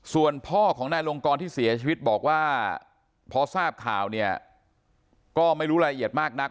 ส่วนพ่อของนายลงกรที่เสียชีวิตบอกว่าพอทราบข่าวเนี่ยก็ไม่รู้รายละเอียดมากนัก